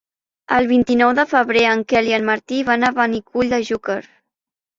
El vint-i-nou de febrer en Quel i en Martí van a Benicull de Xúquer.